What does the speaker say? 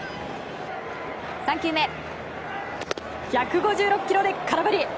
３球目、１５６キロで空振り。